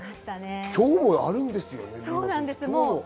今日もあるんですよね。